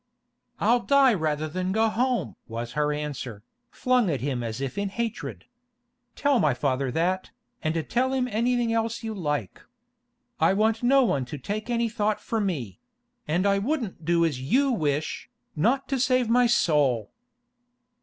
'I'll die rather than go home!' was her answer, flung at him as if in hatred. 'Tell my father that, and tell him anything else you like. I want no one to take any thought for me; and I wouldn't do as you wish, not to save my soul!